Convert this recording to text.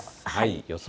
予想